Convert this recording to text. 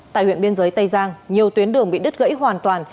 tại huyện biên giới tây giang nhiều tuyến đường bị đứt gãy hoàn toàn